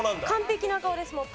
完璧な顔です。